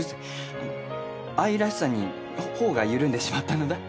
あの愛らしさに頬が緩んでしまったのだ。